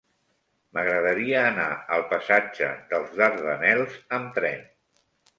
M'agradaria anar al passatge dels Dardanels amb tren.